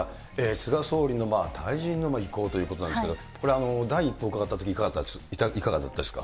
菅総理の退陣の意向ということなんですけど、第一報伺ったとき、いかがだったですか？